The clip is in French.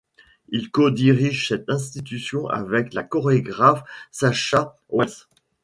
Il codirige cette institution avec la chorégraphe Sasha Waltz.